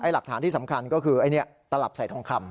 หลักฐานที่สำคัญก็คือไอ้นี่ตลับใส่ทองคำ